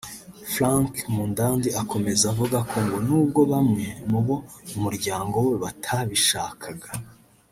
Frank Mudandi akomeza avuga ko ngo n’ubwo bamwe mu bo muryango we batabishakaga